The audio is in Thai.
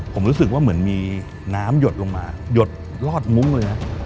ผมรู้สึกว่าเหมือนมีน้ำหยดลงมาหยดลอดมุ้งเลยนะ